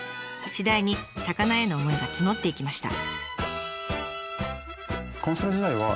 次第に魚への思いは募っていきました。